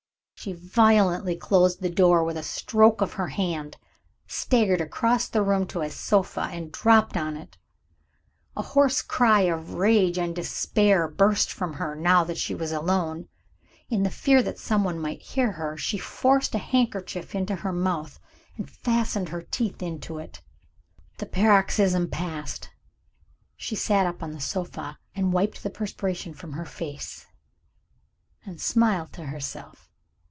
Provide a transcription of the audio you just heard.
She violently closed the door with a stroke of her hand staggered across the room to a sofa and dropped on it. A hoarse cry of rage and despair burst from her, now that she was alone. In the fear that someone might hear her, she forced her handkerchief into her mouth, and fastened her teeth into it. The paroxysm passed, she sat up on the sofa, and wiped the perspiration from her face, and smiled to herself.